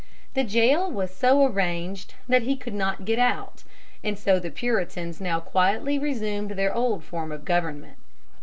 The jail was so arranged that he could not get out, and so the Puritans now quietly resumed their old form of government.